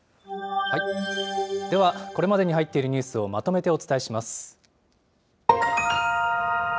では、これまでに入っているニュースをまとめてお伝えします。